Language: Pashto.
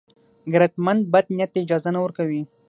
غیرتمند بد نیت ته اجازه نه ورکوي